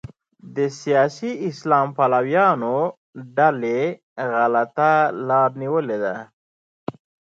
د سیاسي اسلام پلویانو ډلې غلطه لاره نیولې ده.